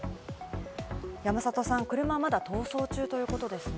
山里さん、車はまだ逃走中ということですね。